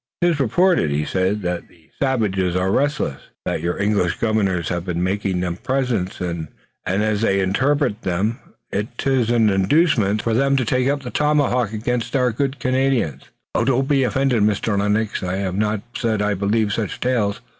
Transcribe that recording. "'Tis reported," he said, "that the savages are restless, that your English governors have been making them presents, and, as they interpret them, 'tis an inducement for them to take up the tomahawk against our good Canadians. Oh, don't be offended, Mr. Lennox! I have not said I believe such tales.